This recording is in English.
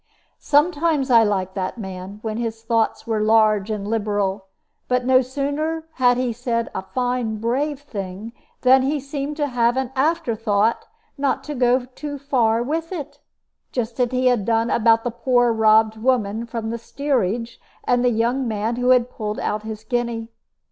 Sometimes I liked that man, when his thoughts were large and liberal; but no sooner had he said a fine brave thing than he seemed to have an after thought not to go too far with it; just as he had done about the poor robbed woman from the steerage and the young man who pulled out his guinea.